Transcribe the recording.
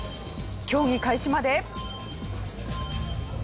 競技開始まで。